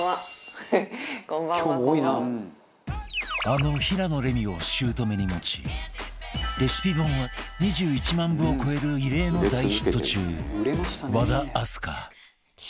あの平野レミを姑に持ちレシピ本は２１万部を超える異例の大ヒット中和田明日香